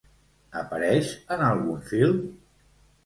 Apareix en algun film?